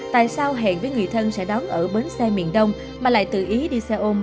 tại sao hẹn với người thân sẽ đón ở bến xe miền đông mà lại tự ý đi xe ôm